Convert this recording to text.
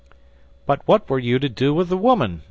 "But what were you to do with that woman?"